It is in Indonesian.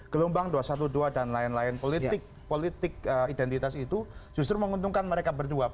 gelombang dua ratus dua belas dan lain lain politik politik identitas itu justru menguntungkan mereka berdua